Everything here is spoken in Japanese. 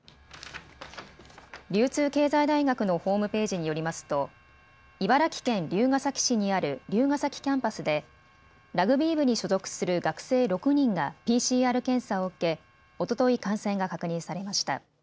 流通経済大学のホームページによりますと茨城県龍ケ崎市にある龍ケ崎キャンパスでラグビー部に所属する学生６人がＰＣＲ検査を受けおととい、感染が確認されました。